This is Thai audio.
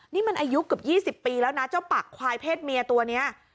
นี่มันอายุเกือบ๒๐ปีแล้วนะเจ้าปักควายเพศเมียตัวนี้